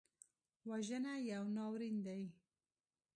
وژنه یو ناورین دی